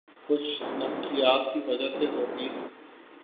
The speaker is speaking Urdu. کچھ نمکیات کی وجہ سے ہوگی